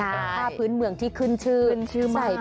ผ้าพื้นเมืองที่ขึ้นชื่อ